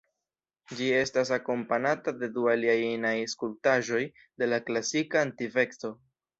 Ĝi estas akompanata de du aliaj inaj skulptaĵoj de la klasika antikveco.